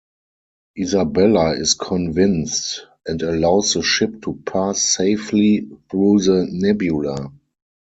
Isabella is convinced, and allows the ship to pass safely through the nebula.